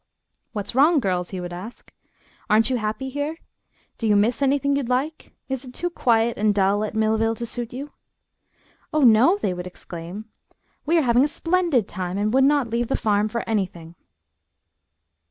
"What's wrong, girls?" he would ask. "Aren't you happy here? Do you miss anything you'd like? Is it too quiet and dull at Millville to suit you?" "Oh, no!" they would exclaim. "We are having a splendid time, and would not leave the farm for anything."